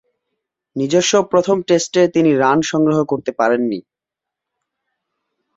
নিজস্ব প্রথম টেস্টে তিনি রান সংগ্রহ করতে পারেননি।